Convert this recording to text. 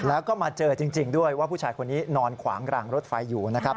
แล้วก็มาเจอจริงด้วยว่าผู้ชายคนนี้นอนขวางรางรถไฟอยู่นะครับ